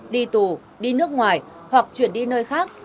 đi tù đi nước ngoài hoặc chuyển đi nơi khác